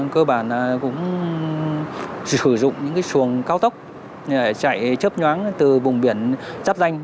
cơ bản là cũng sử dụng những cái xuồng cao tốc chạy chấp nhoáng từ vùng biển chắp danh